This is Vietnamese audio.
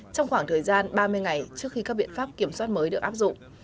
trong khoảng thời gian ba mươi ngày trước khi các biện pháp kiểm soát mới được áp dụng